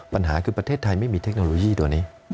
ปัญหาคือประเทศไทยไม่มีเทคโนโลยีตัวนี้